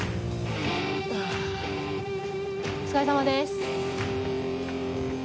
お疲れさまです。